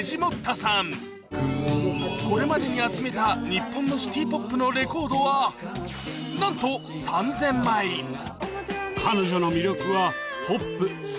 これまでに集めた日本のシティポップのレコードはなんと彼女の魅力は。